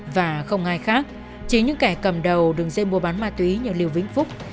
và không ai khác chỉ những kẻ cầm đầu đường dây buôn bán ma túy như lưu vĩnh phúc